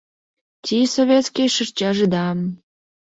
Ти советский шырчаже да